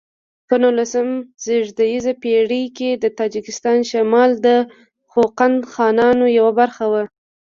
په نولسمه زېږدیزه پیړۍ کې د تاجکستان شمال د خوقند خانانو یوه برخه و.